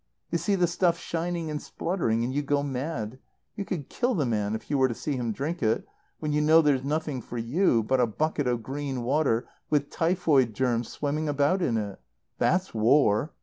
You see the stuff shining and spluttering, and you go mad. You could kill the man if you were to see him drink it, when you know there's nothing for you but a bucket of green water with typhoid germs swimming about in it. That's war.